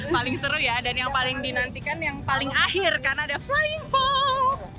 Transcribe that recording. paling seru ya dan yang paling dinantikan yang paling akhir karena ada flying fox